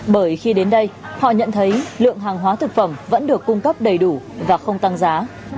bởi khi đến đây họ nhận thấy lượng hàng hóa thực phẩm vẫn được cung cấp đầy đủ và không tăng giá